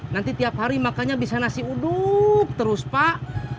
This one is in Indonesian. nanti tiap hari makannya bisa nasi uduk terus pak